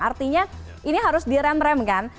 artinya ini harus direm rem kan